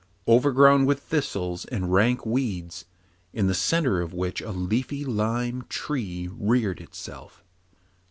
Overgrown with thistles and rank weeds, in the centre of which a leafy lime tree reared itself.